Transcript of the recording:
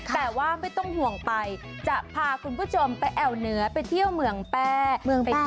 แต่ว่าไม่ต้องห่วงไปจะพาคุณผู้ชมไปแอวเหนือไปเที่ยวเมืองแป้